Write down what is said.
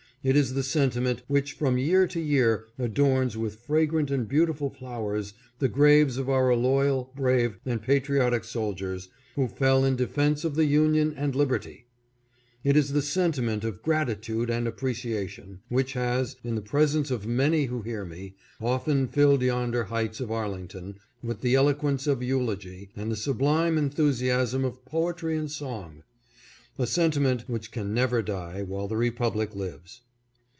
It is the sentiment which from year to year adorns with fragrant and beauti ful flowers the graves of our loyal, brave, and patriotic soldiers who fell in defence of the Union and liberty. It is the sentiment of gratitude and appreciation, which has, in the presence of many who hear me, often filled yonder heights of Arlington with the eloquence of eulogy and the sublime enthusiasm of poetry and song ; a senti ment which can never die while the Republic lives.